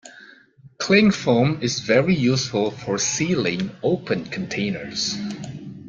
Clingfilm is very useful for sealing open containers